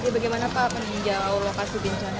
bagaimana pak meninjau lokasi bencana